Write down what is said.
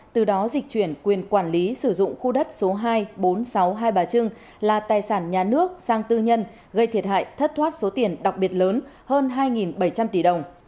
từ đó dịch chuyển quyền quản lý sử dụng khu đất số hai bốn trăm sáu mươi hai bà trưng là tài sản nhà nước sang tư nhân gây thiệt hại thất thoát số tiền đặc biệt lớn hơn hai bảy trăm linh tỷ đồng